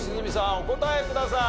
お答えください。